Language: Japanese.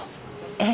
ええ。